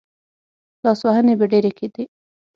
لاسوهنې به ډېرې کېدې.